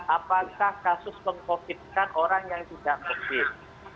apakah kasus peng covid kan orang yang tidak covid